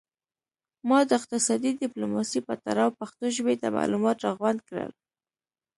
ما د اقتصادي ډیپلوماسي په تړاو پښتو ژبې ته معلومات را غونډ کړل